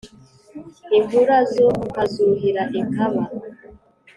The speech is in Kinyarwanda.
Inkurazo nkazuhira inkaba